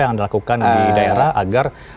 yang dilakukan di daerah agar